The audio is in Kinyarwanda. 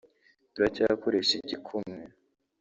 turacyakoresha igikumwe